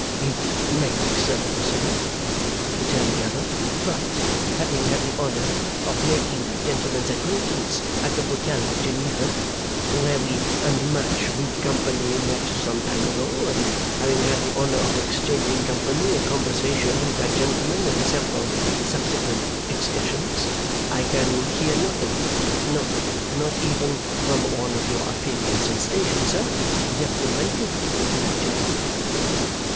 'It may be so, sir,' returned the other. 'But having had the honour of making that gentleman's acquaintance at the hotel at Geneva, where we and much good company met some time ago, and having had the honour of exchanging company and conversation with that gentleman on several subsequent excursions, I can hear nothing no, not even from one of your appearance and station, sir detrimental to that gentleman.